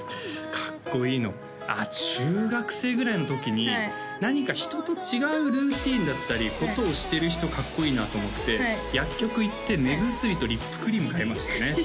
かっこいいのあ中学生ぐらいの時に何か人と違うルーティンだったりことをしてる人かっこいいなと思って薬局行って目薬とリップクリーム買いましたね